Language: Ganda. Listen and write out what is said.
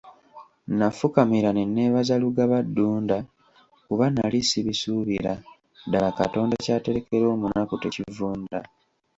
Nafukamira ne neebaza Lugaba Ddunda kuba nali sibisuubira ddala Katonda ky'aterekera omunaku tekivunda.